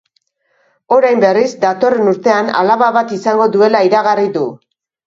Orain, berriz, datorren urtean alaba bat izango duela iragarri du.